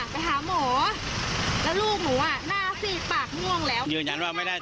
อ่ะไปหาหมอแล้วลูกหนูอ่ะหน้าสีดปากม่วงแล้ว